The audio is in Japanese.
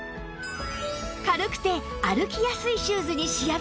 軽くて歩きやすいシューズに仕上げました